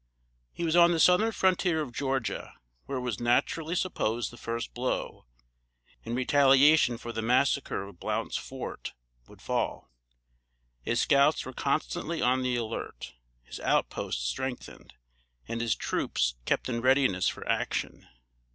He was on the southern frontier of Georgia, where it was naturally supposed the first blow, in retaliation for the massacre of Blount's Fort, would fall. His scouts were constantly on the alert, his outposts strengthened, and his troops kept in readiness for action.